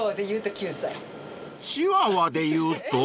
［チワワでいうと？］